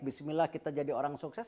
bismillah kita jadi orang sukses